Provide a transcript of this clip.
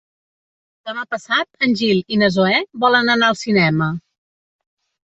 Demà passat en Gil i na Zoè volen anar al cinema.